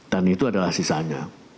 dan itu adalah sisanya